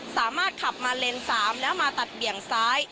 สามารถขับมาเลน๓แล้วมาตัดเบี่ยงซ้าย